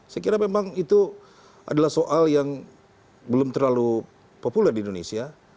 saya kira memang itu adalah soal yang belum terlalu populer di indonesia